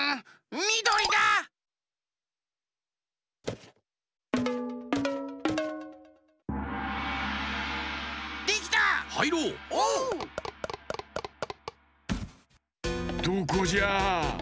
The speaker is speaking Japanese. どこじゃ？